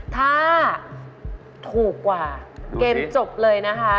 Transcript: ถ้าถูกกว่าเกมจบเลยนะคะ